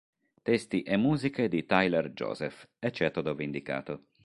Testi e musiche di Tyler Joseph, eccetto dove indicato.